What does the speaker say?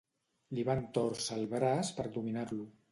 Li van tòrcer el braç per dominar-lo.